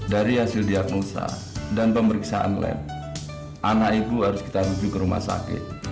dari hasil diagnosa dan pemeriksaan lab anak ibu harus kita rujuk ke rumah sakit